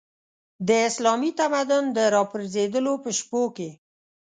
د اسلامي تمدن د راپرځېدلو په شپو کې.